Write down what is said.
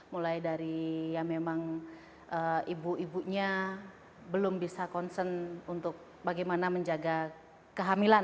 mulai dari ya memang ibu ibunya belum bisa concern untuk bagaimana menjaga kehamilan